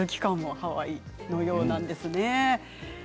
ハワイのようなんですね。